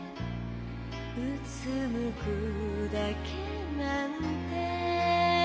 「うつむくだけなんて」